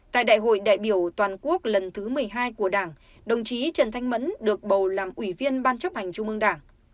tại đại hội đại biểu toàn quốc lần thứ một mươi hai của đảng đồng chí trần thanh mẫn được bầu làm ủy viên ban chấp hành trung ương đảng